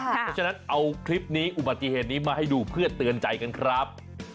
เพราะฉะนั้นเอาคลิปนี้อุบัติเหตุนี้มาให้ดูเพื่อเตือนใจกันครับ